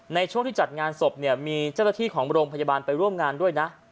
ในช่วงที่จัดงานศพเนี่ยมีเจ้าหน้าที่ของโรงพยาบาลไปร่วมงานด้วยนะ